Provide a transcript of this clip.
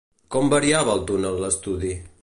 Com variava el túnel l'estudi?